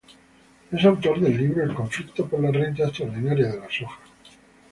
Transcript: Es autor del libro "El conflicto por la renta extraordinaria de la soja.